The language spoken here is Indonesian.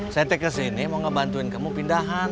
saya kesini mau ngebantuin kamu pindahan